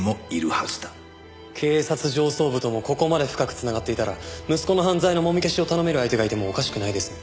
警察上層部ともここまで深く繋がっていたら息子の犯罪のもみ消しを頼める相手がいてもおかしくないですね。